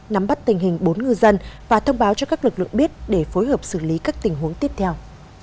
nắm bắt tình hình bốn ngư dân và thông báo cho các lực lượng biết để phối hợp xử lý các tình huống tiếp theo